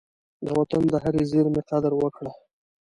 د وطن د هرې زېرمي قدر وکړه.